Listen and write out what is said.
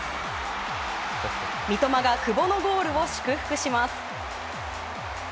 三笘が久保のゴールを祝福します。